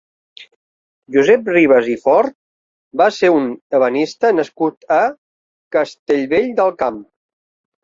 Josep Ribas i Fort va ser un ebenista nascut a Castellvell del Camp.